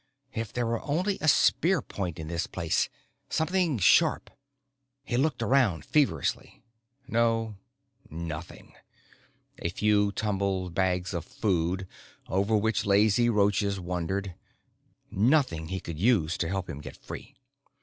If there were only a spear point in this place, something sharp. He looked around feverishly. No, nothing. A few tumbled bags of food, over which lazy roaches wandered. Nothing he could use to help him get free.